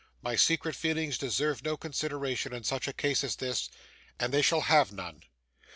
My secret feelings deserve no consideration in such a case as this, and they shall have none.